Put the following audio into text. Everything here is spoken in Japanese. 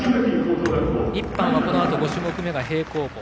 １班はこのあと５種目めが平行棒。